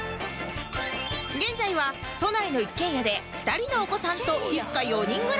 現在は都内の一軒家で２人のお子さんと一家４人暮らし中